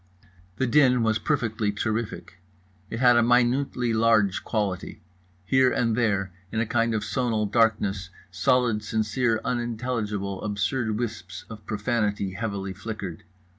The din was perfectly terrific. It had a minutely large quality. Here and there, in a kind of sonal darkness, solid sincere unintelligible absurd wisps of profanity heavily flickered.